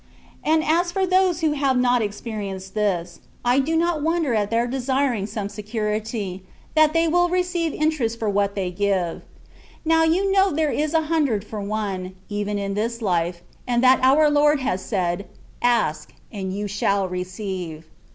And as for those who have not experienced this, I do not wonder at their desiring some security, that they will receive interest for what they give. Now you'^know there is a hundred for one, even in this life, and that our Lord has said, "Ask, and you shall receive.